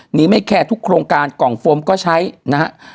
หนีไม่แค่ทุกโครงการกล่องฟอร์มก็ใช้นะฮะ